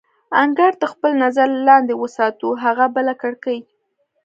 انګړ تر خپل نظر لاندې وساتو، هغه بله کړکۍ.